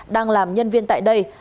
đang làm nhân viên tại đây